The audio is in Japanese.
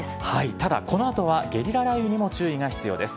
ただ、このあとはゲリラ雷雨にも注意が必要です。